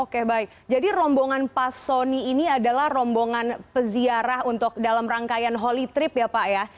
oke baik jadi rombongan pak soni ini adalah rombongan peziarah untuk dalam rangkaian holy trip ya pak ya